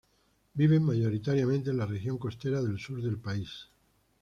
Viven mayoritariamente en la región costera del sur del país.